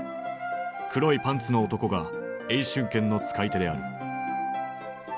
黒いパンツの男が詠春拳の使い手である。